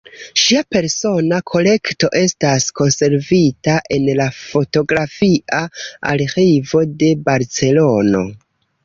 Ŝia persona kolekto estas konservita en la Fotografia Arĥivo de Barcelono.